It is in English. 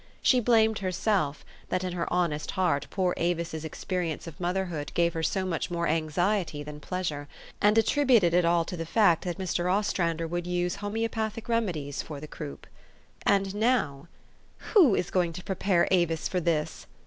She blamed herself, that in her honest heart poor Avis' s experience of motherhood gave her so much more anxiety than pleasure, and at tributed it all to the fact that Mr. Ostrander would use homoeopathic remedies for the croup. And now " Who is going to prepare Avis for this